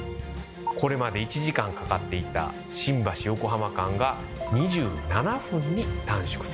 これまで１時間かかっていた新橋横浜間が２７分に短縮されたのです。